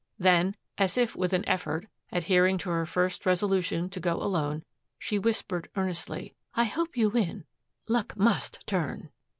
Then, as if with an effort, adhering to her first resolution to go alone, she whispered earnestly, "I hope you win. Luck MUST turn."